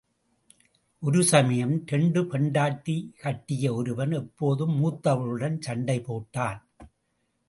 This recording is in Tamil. ஒரு சமயம், இரண்டு பெண்டாட்டி கட்டிய ஒருவன் எப்போதும் மூத்தவளுடன் சண்டை போட்டான்.